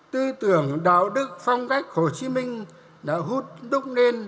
tư tưởng đạo đức phong cách hồ chí minh đã hút đúc nền